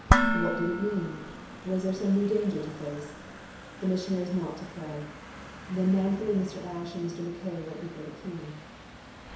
What did it mean? Was there some new danger to face? The missionaries knelt to pray. Then manfully Mr. Ashe and Mr. Mackay went before the king.